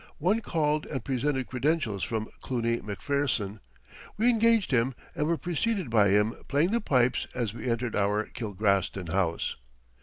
One called and presented credentials from Cluny McPherson. We engaged him and were preceded by him playing the pipes as we entered our Kilgraston house.